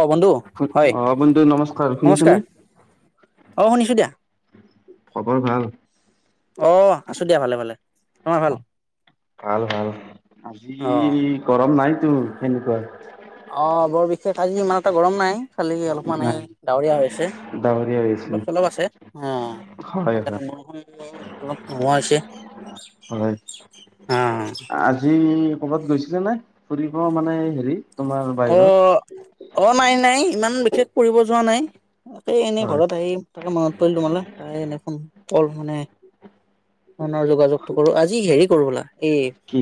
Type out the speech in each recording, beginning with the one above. অঁ' বন্ধু। হয় অঁ' বন্ধু নমস্কাৰ, শুনিছা নে? অঁ' শুনিছোঁ দিয়া। খবৰ ভাল? অ আছো দিয়া ভালে ভালে তোমাৰ ভাল অঁ' ভাল ভাল, অ আজি- গৰম নাইতো সেনেকুৱা। অঁ' বৰ বিশেষ আজি ইমান এটা গৰম নাই, খালি অলপ মান এই নাই ডাৱৰীয়া ডাৱৰীয়া হৈ হৈছে। আছে। অলপ চলপ আছে, অঁ' হয় তাকে হয় [unintelligible] বৰষুণ অলপ নোহোৱা হৈছে। হয়, আজি কৰ'বাত গৈছিলা নে ফুৰিব মানে হেৰি? তোমাৰ বাহিৰত? অঁ' অঁ' নাই নাই, ইমান বিশেষ ফুৰিব যোৱা নাই। এই এনেই হয়। ঘৰত আহি তাকে মনত পৰিল তোমালে তাকে এনেই ফোন কল মানে- ফোনৰ যোগাযোগটো কৰোঁ, আজি হেৰি কৰো বলা এই কি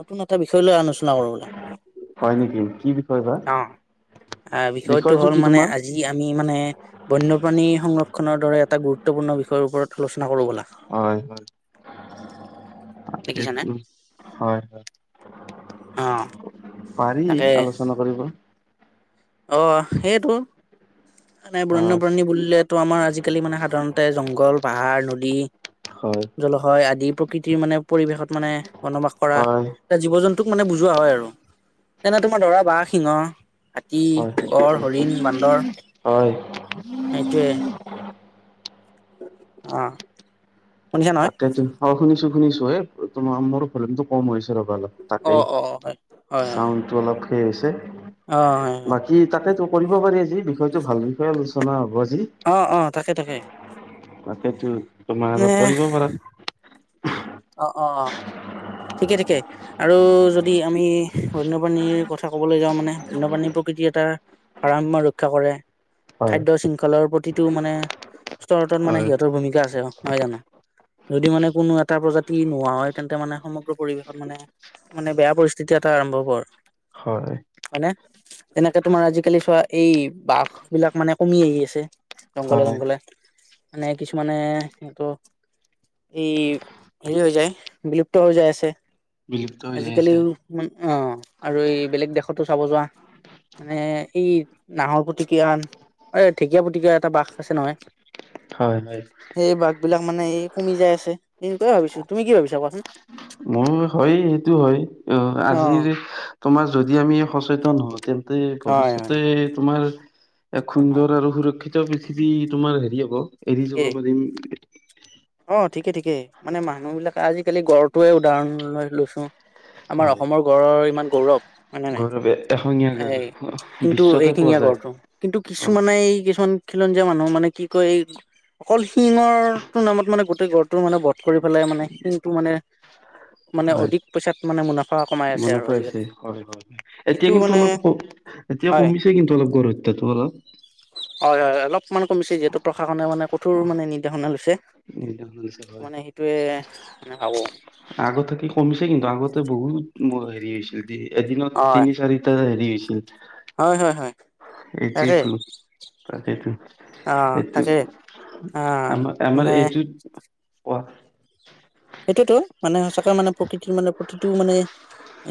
নতুন এটা বিষয় লৈ আলোচনা কৰো বলা। হয় নেকি, কি বি অ বিষয়টো হ'ল কি মানে তোমাৰ? আজি যি আমি মানে বন্যপ্ৰাণী সংৰক্ষনৰ দৰে এটা গুৰুত্বপূৰ্ণ বিষয়ৰ ওপৰত আলোচনা কৰো ব'লা। হয় হয়। দেখিছানে সেইটো হয় হয়। অ। পাৰি তাকে আলোচনা কৰিব। অ সেইটো বন্যপ্ৰাণী বুলিলেটো আমাৰ আজিকালি মানে সাধাৰণতে জংগল পাহাৰ নদী হয়। জলশয় আদি প্ৰকৃতিৰ মানে পৰিৱেশত মানে বনবাস কৰা হয় জীৱ-জন্তুক মানে বুজোৱা হয় আৰু যেনে তোমাৰ ধৰা বাঘ, সিংহ। হাতী, হয় হয় গড়, হয় হয় হৰিণ, বান্দৰ হয়। সেইটোৱেই। আহ। তাকেইতো অ শুনিছো শুনিছো এ তোমাৰ মোৰ ভলিউমটো কম হৈ আছে ৰবা অলপ। অ তাকেই অ হয় হয় হয় চাউণ্ডটো অলপ হেৰি হৈছে। অ হয় হয়। কি তাকেইতো কৰিব পাৰি আজি বিষয়টো ভাল বিষয়ে আলোচনা হ'ব আজি। অঁ অঁ তাকে তাকে। তাকেইতো। এই। অ, অ, অ। ঠিকেই ঠিকেই। আৰু যদি আমি বন্যপ্ৰাণীৰ কথা ক'বলৈ যাওঁ মানে বন্যপ্ৰাণীৰ প্ৰকৃতি এটা ভাৰসাম্য ৰক্ষা কৰে। হয় খাদ্য শৃংখলৰ প্ৰতিটো মানে স্তৰতত মানে হয় সিহঁতৰ ভূমিকা আছে আৰু। নহয় জানো, যদি মানে কোনো এটা প্ৰজাতি নোহোৱা হয়, তেন্তে মানে সম- সমগ্ৰ পৰিৱেশত মানে মানে বেয়া পৰিস্থিতি এটা আৰম্ভ হ'ব আৰু। হয়। হয়নে, তেনেকে তোমাৰ আজিকালি চোৱা এই বাঘ বিলাক মানে কমি আহি আছে। জংঘলে হয় জংঘলে। মানে কিছুমানে সিহঁতৰ এই হেৰি হৈ যায় বিলুপ্ত হৈ যায় আছে। বিলুপ্ত হৈ যাই আছে আজিকালিও মান অ আৰু এই বেলেগ দেশতো চাব যোৱা। মানে এই নাহৰপুতুকীয়া, ঢেকীয়া পুতুকিয়া এটা বাঘ আছে নহয়। হয় হয় সেই বাঘ বিলাক মানে এই কমি যায় আছে এনেকুৱাই ভাবিছো, তুমি কি ভাবিছা কোৱাচোন? মোৰ হয়, হয়, অ আজিৰ তোমাৰ যদি আমি সচেতন হওঁ তেন্তে হয় হয় ভৱিষ্যতে তোমাৰ এক অ সুন্দৰ আৰু সুৰক্ষিত পৃথিৱী তোমাৰ হেৰি হ'ব এৰি ঠিকেই যাব পাৰিম। অ ঠিকে ঠিকে, মানে মানুহ বিলাকে আজিকালি গড় টোৱে উদাহৰণ লৈ লৈছো। আমাৰ হয় অসমৰ গড়ৰ ইমান গৌৰৱ। হয় নে নাই, গৌৰৱ এশঙীয়া গাৰ এই কিন্তু বিশ্বতে পোৱা এশিঙীয়া যায় গঁড়টো কিন্তু অ কিছুমানে এই কিছুমান খিলঞ্জীয়া মানুহ মানে কি কয়, এই অকল শিঙৰ তটো নামত মানে গোটেই গড় গড়টো মানে বধ কৰি পেলাই, মানে শিঙটো মানে মানে হয় অধিক পইচাত মানে মুনাফা কমাই আছে মনত আৰু পৰিছে আজিকালি হয় হয় এতিয়া সেইটো মানে কিন্তু এতিয়া হয় কমিছে কিন্তু অলপ গড়ঁ হত্যাটো অলপ। হয় হয় অলপমান কমিছে যিহেতু প্ৰশাসনে মানে কঠোৰ অ, মানে নিৰ্দেশনা লৈছে নিৰ্দেশ দিছে, ত মানে সেইটোয়ে মানে ভাবো। আগত থাকি কমিছে কিন্তু আগতে বহুত হেৰি হৈছিল। দিনত হয় তিনি, চাৰিটা হেৰি হৈছিল। হয় হয় হয়। তাকে সেইটোৱেতো তাকেইটো। অ এইটো তাকে অ আমাৰ মানে আমাৰ এইটো সেইটোতো মানে সঁচাকে মানে প্ৰকৃতিৰ মানে প্ৰতিটো মানে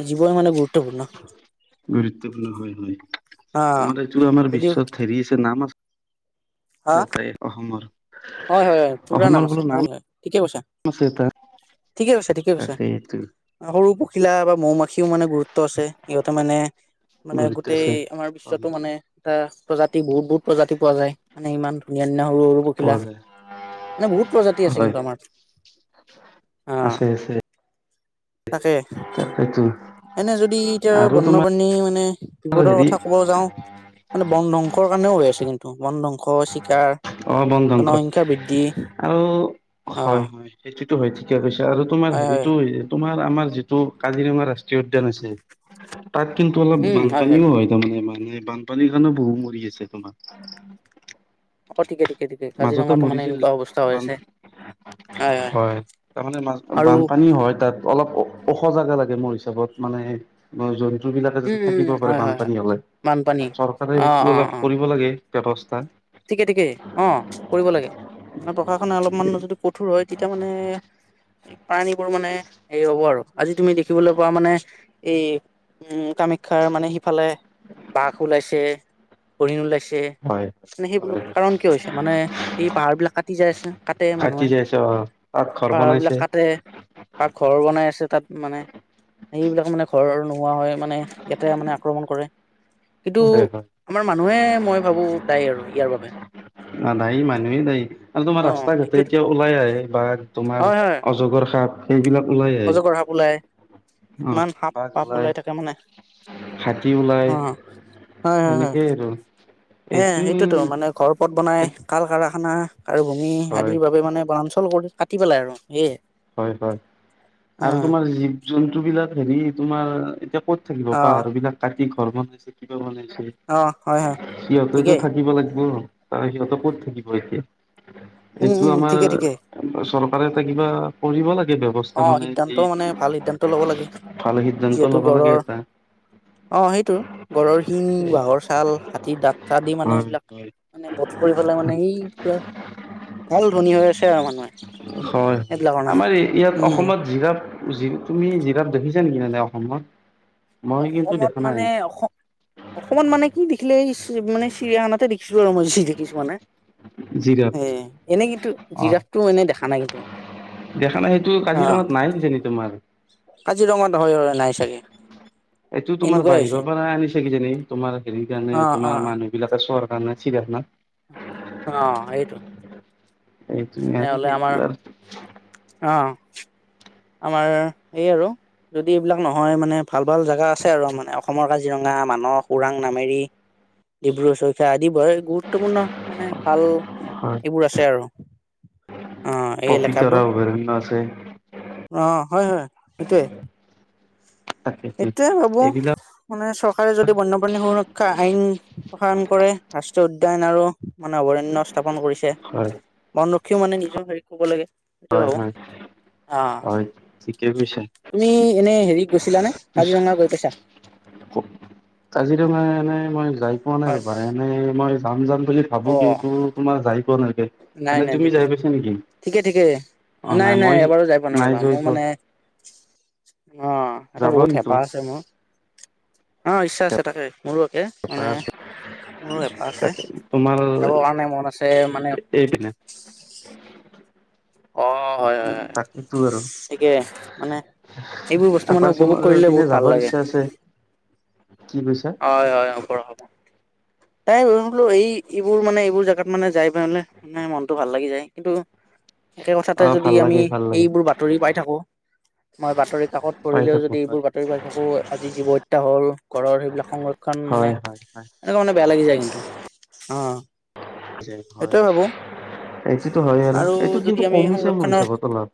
জীৱই মানে গুৰুত্বপূৰ্ণ। গুৰুত্বপূৰ্ণ হয়, অ তোমাৰ এইটো আমাৰ যদিও বিশ্বত হেৰি আছে নাম আছে। হা তাৰ পৰা এই অসমৰ হয় হয় হয় পুৰা অসমৰ নাম আছে বোলো হয় হয় ঠিকে কৈছা। [unintelligible] ঠিকে কৈছা ঠিকে কৈছা তাকেই এইটো সৰু পখিলা বা মৌ মাখি -ও মানে গুৰুত্ব আছে সিহঁতে মানে মানে গুৰুত্ব গোটেই আছে আমাৰ বিশ্বতো হয় মানে এটা প্ৰজাতি বহুত বহুত প্ৰজাতি পোৱা যায় মানে ইমান ধুনীয়া ধুনীয়া সৰু সৰু পখিলা পোৱা যায়। মানে বহুত প্ৰজাতি আছে হয় কিন্তু আমাৰ অ আছে তাকে। তাকেইটো। এনে যদি এতিয়া বন্যপ্ৰাণী মানে বিপদৰ হেৰি কথা কব যাওঁ মানে বন ধ্বংসৰ কাৰণেও হৈ আছে কিন্তু বন ধ্বংস হৈছি অ বন ধংস আৰু অ হয় হয়। সেইটোতো হয় ঠিকে কৈছা আৰু তোমাৰ হয় হয় হেৰিটো তোমাৰ আমাৰ যিটো কাজিৰঙা ৰাষ্ট্ৰীয় উদ্যান আছে, তাত কিন্তু অলপ বানপানীও হয়। [unintelligible] বানপানীৰ কাৰণেও বহু মৰি আছে তোমাৰ অ ঠিকে ঠিকে ঠিকে মাজতে কাজিৰঙাতো মানে মৰিছিল এনেকুৱা অৱস্থা হৈ বান- আছে হয় তাৰমানে আৰু বানপানী হয় তাত অলপ ওখ জাগা লাগে মোৰ হিচাপত মানে জন্তু বিলাকে উম যাতে উম থাকিব উম পাৰে হয় হয় হয় বানপানী হলে, বানপানী চৰকাৰে অ সেইটো অ অলপ অ কৰিব লাগে। ব্যৱস্থা ঠিকে ঠিকেই অ কৰিব লাগে মানে প্ৰশাসনে অলপমান যদি কঠোৰ হয় তেতিয়া মানে প্ৰাণীবোৰ মানে হেৰি হ'ব আৰু আজি তুমি দেখিবলৈ পোৱা মানে এই উম, কামাখ্যাৰ মানে সিফালে বাঘ ওলাইছে, হৰিণ ওলাইছে। হয় মানে সেইবোৰ হয় কাৰণ কিয় হৈছে মানে এই পাহাৰ বিলাক কাটি যাই আছে কাটে কাটি মানুহে যাইছে অ তাত ঘৰ পাহাৰ বিলাক বনাইছে কাটে বা ঘৰ বনাই আছে তাত মানে সেইবিলাক মানে ঘৰ নোহোৱা হৈ মানে ইয়াতে মানে আক্ৰমণ কৰে। কিন্তু হয় হয় আমাৰ মানুহে মই ভাবো দায় আৰু ইয়াৰ বাবে। দায় মানুহে দায় কাৰণ তোমাৰ অ ৰাস্তা ঘাটে সেইটোয়েতো এতিয়া ওলাই আহে বাঘ তোমাৰ হয় হয় অজগৰ সাপ সেইবিলাক ওলাই আহে। অজগৰ সাপ ওলাই অ' ইমান সাপ বাঘ পাপ ওলাই, থাকে মানে হাতী ওলাই। অ এনেকে আৰু এই এইটো সেইটোৱেটো মানুহে ঘৰ পথ বনাই কল কাৰখানা হয় আদিৰ বাবে মানে বনাঞ্চল কৰি কাটি পেলাই আৰু সেই হয়- হয় আৰু তোমাৰ জীৱ - জন্তুবিলাক হেৰি তোমাৰ এতিয়া ক'ত থাকিব অ পাহাৰবিলাক কাটি ঘৰ বনাইছে, কিবা বনাইছে। অ হয় হয় সিহঁতেটো ঠিকেই থাকিব লাগিব, আ সিহঁতে কত থাকিব এতিয়া? উম এইটো উম আমাৰ ঠিকে ঠিকে চৰকাৰে এটা কিবা কৰিব লাগে ব্যৱস্থা অ মানে সিদ্ধান্ত যি, মানে ভাল সিদ্ধান্ত ল'ব লাগে ভাল সিদ্ধান্ত যিহেতু ল'ব লাগে গঁড়ৰ এটা। অ' সেইটো গড়ৰ শিং, বাঘৰ ছাল, হাতীৰ দাঁত আদি মানে হয় এইবিলাক হয়। মানে বধ কৰি পেলাই মানে সেই পুৰা ভাল ধনী হৈ আছে আৰু মানুহে। হয়, হয়', সেইবিলাকৰ নামত আমাৰ ই ইয়াত উম অসমত জিৰাফ জি তুমি জিৰাফ দেখিছা নেকি এনেই অসমত, মই কিন্তু অসমত দেখা মানে নাই। অসম অসমত মানে কি দেখিলে এই চি মানে চিৰিয়াখানাতে দেখিছো আৰু মই চি দেখিছোঁ মানে। জিৰাফ এ', এনেই কিন্তু অ জিৰাফটো এনেই দেখা নাই কিন্তু। দেখা নাই সেইটো অ কাজিৰঙাত নাই কিজানি তোমাৰ? কাজিৰঙাত হয়, হয় নাই চাগে। এইটো তোমাৰ এনেকুৱাই হৈছে বাহিৰৰ পৰা আনিছে কিজানি তোমাৰ হেৰি কাৰণে অ অ তোমাৰ মানুহ বিলাকে চোঁৱাৰ কাৰণে অ সেইটো চিৰিয়াখানাত। এইটোৱে আজি তেনেহলে আমাৰ দিনটো আ অ। আমাৰ এই আৰু যদি এইবিলাক নহয় মানে ভাল ভাল জাগা আছে আৰু মানে অসমৰ কাজিৰঙা, মানস ওৰাং, নামেৰি। ডিব্ৰু-চৈখোৱা আদি বৰ গুৰুত্বপূৰ্ণ মানে ভাল হয় এইবোৰ আছে আৰু অ', এই এলেকাবোৰ। বিভিন্ন আছে। অ', হয়-হয় সেইটোৱে। তাকেটো এইটোৱে হ'ব। এইবিলাক আপোনাৰ চৰকাৰে যদি বন্যপ্ৰাণী সুৰক্ষা আইন প্ৰসাৰণ কৰে, ৰাষ্ট্ৰীয় উদ্যান আৰু মানে অভয়াৰণ্য স্থাপন কৰিছে, হয় বন ৰক্ষীও মানে নিজৰ হেৰিত কব লাগে। সেইটো হয়- ভাবো অ হয়-হয়, ঠিকেই কৈছে। তুমি এনে হেৰিত গৈছিলা নে, কাজিৰঙা গৈ পাইছা? ক কাজিৰঙা এনেই মই যাই পোৱা নাই হয় ৰ'বা, এনে মই যাম যাম বুলি অ ভাবো কিন্তু তোমাৰ যাই পোৱা নাই এনেকে। নাই নাই ঠিকে, ঠিকে ঠিকে, অ নাই, নাই মই এবাৰো যাই পোৱা নাই ৰ'বা যাই মোৰ পোৱা মানে অ', সেইটো যাব বহুত কিন্তু হেঁপাহ আছে মোৰ। অ', ইচ্ছা আছে তাকে মোৰো। তে মানে মোৰো হেপাহ আছে যাবৰ কাৰণে মন আছে মানে এই পিনে। [inaudible] অ হয় হয় হয় [unintelligible] টো আৰু। ঠিকে মানে এইবোৰ বস্তু মানে আপাৰ উপভোগ আছামৰ ৰ কৰিলে বহুত পিনে ভাল যাবৰ লাগে। ইচ্ছা আছে, কি কৈছা? হয়, হয়, আপাৰ অসমত, তাই [unintelligible] এই এইবোৰ মানে এইবোৰ জাগাত মানে যাই পাইলে। নাই মনটো ভাল লাগি যায় কিন্তু একে কথাতে অ যদি ভাল আমি লাগে ভাল লাগে এইবোৰ বাত তৰি পাই থাকো, মই বাতৰি-কাকত পাই পঢ়িলেও থাকো যদি এইবোৰ হয় ত পাই থাকোঁ, আজি জীৱ হত্যা হ'ল ঘৰৰ সেইবিলাক সংৰক্ষণ মানে হয় হয় হয় এনেকুৱা মানে বেয়া লাগি যায় কিন্তু অ'। পিছে এইটো হয়, সেইটোয়ে ভাবো এইটোতো হয় আৰু এইটো যদি কিন্তু আমি কমিছে মোৰ সংৰক্ষণৰ হিচাপতো অলপ।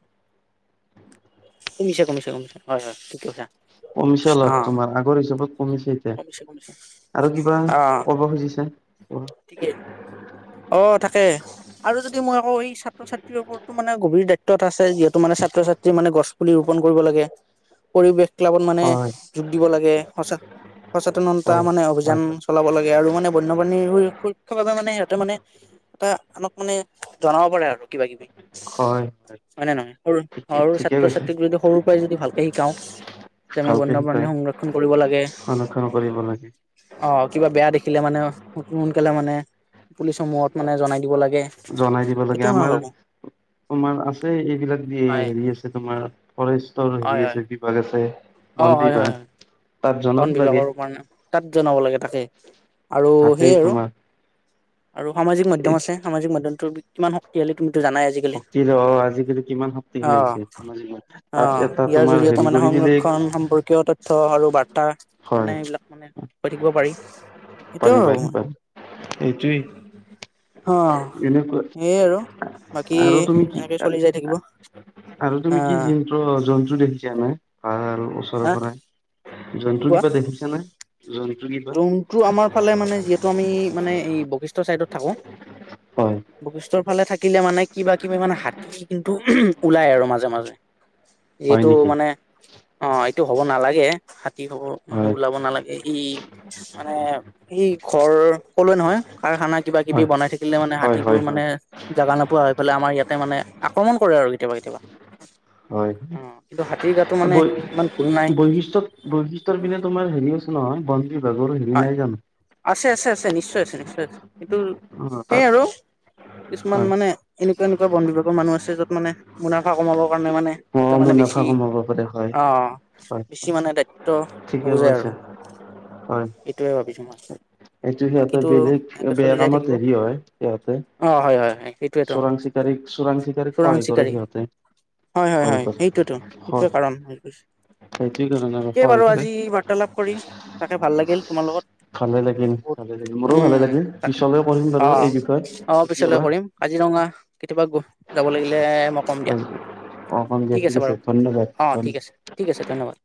কমিছে, কমিছে, কমিছে, হয়, হয়, ঠিক কৈছা। কমিছে অলপ অ', তোমাৰ, আগৰ হিচাপত কমিছে। আৰু কিবা ক'ব খুজিছা কোৱা। ঠিকে অ', তাকে, আৰু যদি মই আকৌ এই ছাত্ৰ- ছাত্ৰীৰ ওপৰত মানে গভীৰ দায়িত্বত আছে। যিহেতু মানে ছাত্ৰ-ছাত্ৰী মানে গছ পুলি ৰোপন কৰিব লাগে। পৰিৱেশ ক্লাবত মানে হয়, যোগ দিব লাগে। সঁচা সচেতনতা মানে হয়, অভিযান হয়, চলাব লাগে, আৰু মানে বন্যপ্ৰাণীৰ স সুৰক্ষাৰ বাবে মানে সিহঁতে মানে এটা আনক মানে জনাব পাৰে আৰু কিবা-কিবি। হয়, হয় নে নহয়? সৰু, ঠিকে সৰু ঠিকে কৈছে ছাত্ৰ-ছাত্ৰীক যদি সৰুৰ পৰাই যদি ভালকে শিকাও। যে আমি ভালকে বন্যপ্ৰাণী শিকাই সংৰক্ষণ কৰিব লাগে। [unintelligible] কৰিব লাগে। অ', কিবা বেয়া দেখিলে মানে, অ, সোনকালে মানে পুলিচ সমূহত মানে জনাই দিব লাগে। জনাই দিব লাগে, এইটো মই আমাৰ ভাবো তোমাৰ আছে। এইবিলাক দি হয় হেৰি আছে। তোমাৰ ফৰেষ্টৰ হয় হেৰি হয় আছে। বিভাগ আছে অ বন হয় হয় বিভাগ। হয় তাত বন জনাব লাগে বিভাগৰ মানে তাত জনাব লাগে। তাকে, আৰু থাকেই সেইয়ে আৰু তোমাৰ আৰু সামাজিক মাধ্যম এই আছে। সামাজিক মাধ্যমটো কিমান শক্তিশালী তুমিতো জানাই আজিকালি শক্তিৰে অ আজিকালি কিমান অ, শক্তিশালী হৈছে সামাজিক মাধ্যম তাত অ', এটা ইয়াৰ তোমাৰ জৰিয়তে হেৰি মানে কৰি দিলেই সংৰক্ষণ সম্পৰ্কীয় তথ্য আৰু বাৰ্তা মানে হয় এইবিলাক মানে, [unintelligible] থাকিব পাৰি। সেইটোয়ে পাৰি, ভাবো পাৰী, মই পাৰি, অ এইটোৱে এনেকোৱা। সেইয়ে আৰু বাকী এনেকে চলি যাই থাকিব। আৰু তুমি কি [unintelligible] জন্তু জন্তু দেখিছা নে? ভাল আৰু ওচৰৰ হা পৰা, কি জন্তু কিবা দেখিছা নে? জন্তু কিবা টো আমাৰ ফালে মানে যিহেতু আমি মানে বশিষ্ঠৰ চাইডট থাকো, হয় বশিষ্ঠ ইফালে থাকিলে মানে, কিবা-কিবি মানে হাতী কিন্তু ওলাই আৰু মাজে, মাজে। হয় যিহেতু নেকি মানে অ', এইটো হ'ব নালাগে। হাতী হব মানে হয় ওলাব নালাগে ই। মানে সি ঘৰ ক'লোৱে নহয়। কাৰখানা কিবা-কিবি হয় বনাই থাকিলে, মানে হয় হয় হাতীবোৰ হয় মানে জগা নোপোৱা হৈ ফালে আমাৰ মানে আক্ৰমণ কৰে আৰু কেতিয়াবা, কেতিয়াবা। হয়। অ কিন্তু হাতীৰ গাটো মানে বৈ ইমান ভুল নাই বৈশিষ্টত। বৈশিষ্ট্যৰ পিনে তোমাৰ হেৰি আছে নহয়। বন বিভাগৰো হেৰি নাই জানো? আছে। আছে। আছে। নিশ্চয় আছে। নিশ্চয় আছে। কিটো অ সেইয় তাত আৰু কিছুমান হয় মানে এনেকুৱা এনেকুৱা বন বিভাগৰ মানুহ আছে। য'ত মানে মুনাফা কমাবৰ কাৰণে মানে অ ইয়াতে মানে মুনাফা বেছি কমাব পাৰে হয় অ, হয় বেছি মানে দায়িত্ব ঠিকে নুবুজায় আৰু কৈছা এইটোৱে ভাবিছো মই একটো সিহঁতে বাকীতো বেলেগ এনেকে চলি বেয়া যাই কামত থাকিব হেৰি হয়। সিহঁতে অ হয় হয় হয় সেইটোৱেতো চোৰাং চিকাৰীক চোৰাং চিকাৰীক চোৰাং সহায় কৰে। চিকাৰী সিহঁতে হয়। হয়। সহায় হয়। কৰে এইটোতো এইটোৱ হয় কাৰণে সেইটো কাৰণে ঠিকেই সহায় বাৰু কৰে আজি বাৰ্তালাপ কৰিম তাকে ভাল লাগিল। তোমাৰ ভালে লাগিল লগত ভালে লাগিল মোৰো ভালে উম', লাগিল তাকে পিছলৈ কৰিম বাৰু অ, এই বিষয়ে অ, কেতিয়াবা পিছলৈ কৰিম কাজিৰঙা কেতিয়াবা গৈ যাব লাগিলে। মই কম দিয়া। অ', অকিয় ঠিক আছে,। ধন্যবাদ অ ধন ঠিক আছে ঠিক আছে। ধন্যবাদ